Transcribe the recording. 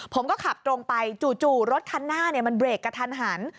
ผมก็ขับตรงไปจู่รถคันหน้ามันเบรกกระทันหัน